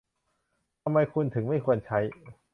ทำไมคุณถึงไม่ควรใช้